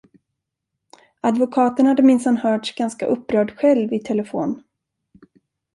Advokaten hade minsann hörts ganska upprörd själv i telefon.